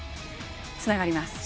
つながります。